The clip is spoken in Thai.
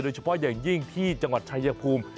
โดยเฉพาะอย่างยิ่งที่จังหวัดชายภูมิ